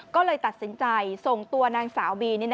ก็เลยตัดสินใจส่งตัวนางสาวบี